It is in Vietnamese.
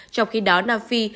trong khi đó nam phi